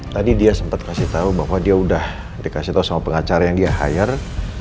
tadi dia sempat kasih tahu bahwa dia udah dikasih tau sama pengacara yang dia hire